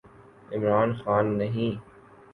عمران خان نہیں۔